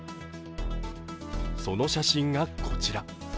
その写真がこちら。